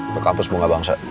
ke kampus bunga bangsa